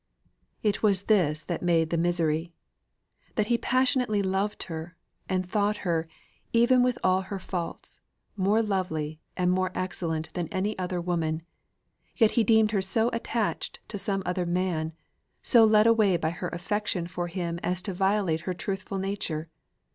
It was this that made the misery that he passionately loved her, and thought her, even with all her faults, more lovely and more excellent than any other woman; yet he deemed her so attached to some other man, so led away by her affection for him, as to violate her truthful nature.